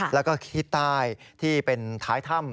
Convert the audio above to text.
แล้วก็ขี้ใต้ที่เป็นท้ายถ้ำ